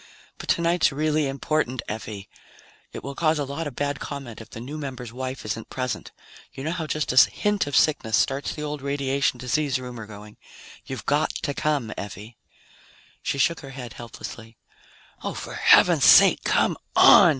But tonight's really important, Effie. It will cause a lot of bad comment if the new member's wife isn't present. You know how just a hint of sickness starts the old radiation disease rumor going. You've got to come, Effie." She shook her head helplessly. "Oh, for heaven's sake, come on!"